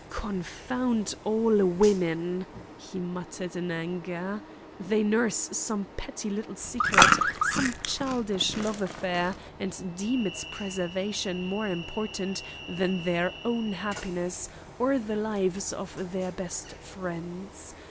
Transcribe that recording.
"Confound all women!" he muttered in anger. "They nurse some petty little secret, some childish love affair, and deem its preservation more important than their own happiness, or the lives of their best friends.